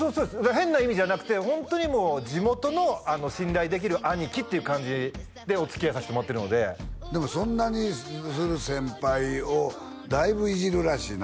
変な意味じゃなくてホントにもう地元の信頼できる兄貴っていう感じでおつきあいさせてもらってるのででもそんなにする先輩をだいぶいじるらしいな？